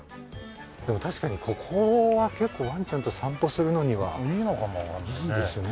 でも確かにここは結構ワンちゃんと散歩するのには。いいのかもわかんないね。